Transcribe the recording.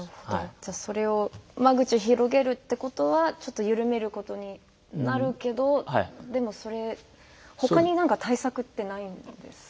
じゃあ、それを間口を広げるってことはちょっと緩めることになるけどでも、他に何か対策ってないんですか？